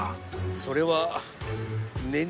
それはねん